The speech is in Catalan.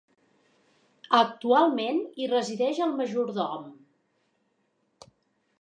Actualment hi resideix el majordom.